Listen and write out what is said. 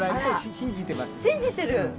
信じてる！